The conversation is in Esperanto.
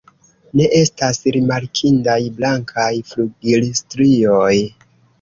Ne estas rimarkindaj blankaj flugilstrioj.